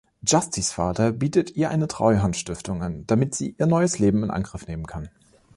Justys Vater bietet ihr eine Treuhandstiftung an, damit sie ihr neues Leben in Angriff nehmen kann.